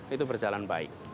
itu berjalan baik